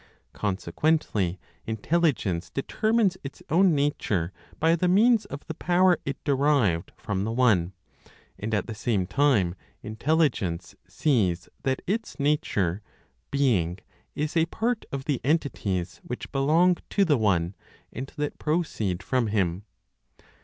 Consequently, Intelligence determines its own nature by the means of the power it derived from the One; and at the same time Intelligence sees that its nature ("being") is a part of the entities which belong to the One, and that proceed from Him.